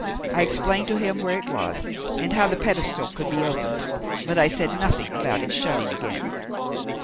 I explained to him where it was and how the pedestal could be opened, but I said nothing about its shutting again.